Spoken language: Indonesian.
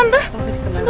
tante bango tante